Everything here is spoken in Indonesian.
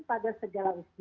pada segala usia